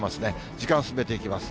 時間進めていきます。